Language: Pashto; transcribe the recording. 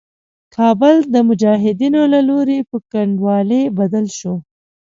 کابل د مجاهدينو له لوري په کنډوالي بدل شو.